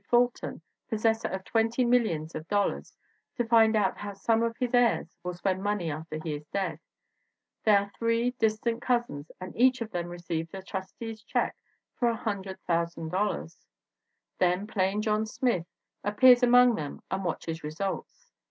Fulton, possessor of twenty millions of dollars, to find out how some of his heirs will spend money after he is dead. They are three distant cousins and each of them receives a ELEANOR H. PORTER 119 trustee's check for $100,000. Then plain John Smith appears among them and watches results.